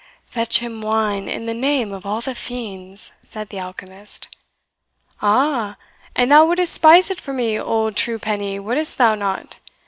"Fetch him wine, in the name of all the fiends!" said the alchemist. "Aha! and thou wouldst spice it for me, old Truepenny, wouldst thou not?